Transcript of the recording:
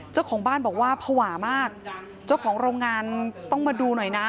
เจ้าของบ้านบอกว่าภาวะมากเจ้าของโรงงานต้องมาดูหน่อยนะ